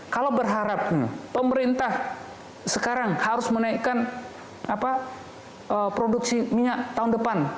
kalau berharap pemerintah sekarang harus menaikkan produksi minyak tahun depan